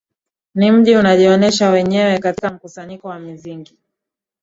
Ni mji unajionesha wenyewe katika mkusanyiko wa mizinga